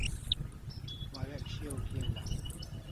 Warek shiau kia la